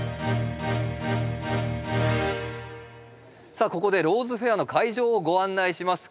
さあここで「ローズフェア」の会場をご案内します。